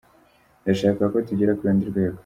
Ndashaka ko tugera ku rundi rwego.